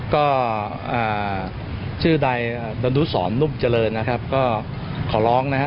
ก็ชื่อใดดนุสรนุ่มเจริญนะครับก็ขอร้องนะครับ